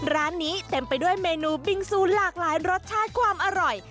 ร้านนี้เต็มไปด้วยเมนูบิงซูหลากหลายรสชาติความอร่อย